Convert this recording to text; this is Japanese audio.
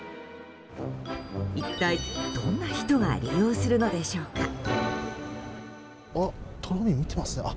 一体どんな人が利用するのでしょうか。